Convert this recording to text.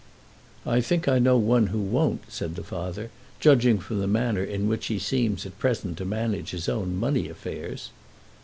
"I think I know one who won't," said the father, "judging from the manner in which he seems at present to manage his own money affairs."